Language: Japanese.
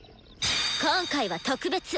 今回は特別！